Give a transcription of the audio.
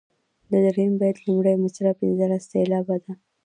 د دریم بیت لومړۍ مصرع پنځلس سېلابه ده.